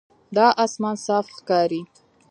دا آسمان صاف ښکاري.